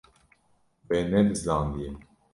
We nebizdandiye.